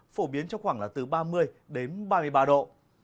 phổ biến trong khoảng là từ ba mươi đến ba mươi ba độ